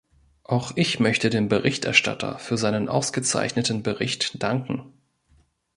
Auch ich möchte dem Berichterstatter für seinen ausgezeichneten Bericht danken.